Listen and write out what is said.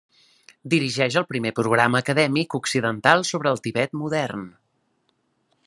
Dirigeix el primer programa acadèmic occidental sobre el Tibet modern.